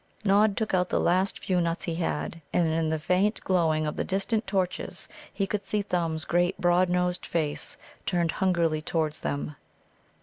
Nod took out the last few nuts he had. And in the faint glowing of the distant torches he could see Thumb's great broad nosed face turned hungrily towards them.